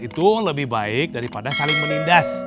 itu lebih baik daripada saling menindas